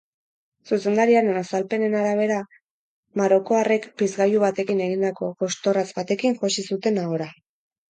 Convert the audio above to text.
Zuzendariaren azalpenen arabera, marokoarrek pizgailu batekin egindako jostorratz batekin josi zuten ahora.